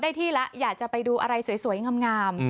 ที่แล้วอยากจะไปดูอะไรสวยงาม